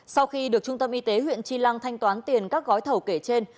sau khi được trung tâm y tế huyện chi lăng thanh toán tiền các gói thầu kể trên